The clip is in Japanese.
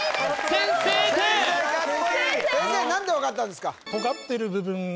先生何で分かったんですか？